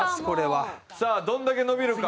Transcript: さあどんだけ伸びるか。